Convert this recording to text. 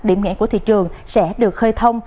điểm nghẽn của thị trường sẽ được khơi thông